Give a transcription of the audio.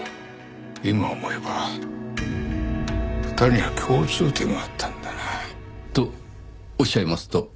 今思えば２人には共通点があったんだな。とおっしゃいますと？